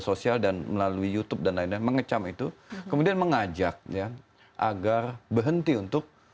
sosial dan melalui youtube dan lainnya mengecam itu kemudian mengajak ya agar berhenti untuk